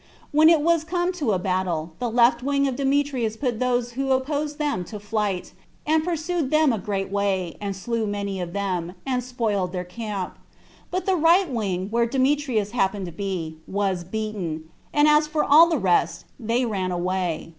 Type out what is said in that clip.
And when it was come to a battle, the left wing of Demetrius put those who opposed them to flight, and pursued them a great way, and slew many of them, and spoiled their camp; but the right wing, where Demetrius happened to be, was beaten; and as for all the rest, they ran away.